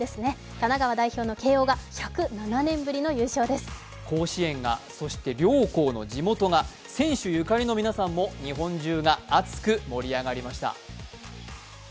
神奈川代表の慶応が甲子園が、そして両校の地元が選手ゆかりの皆さんも日本中が熱く盛り上がりました。